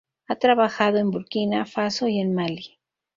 Ha trabajado en Burkina Faso y en Mali.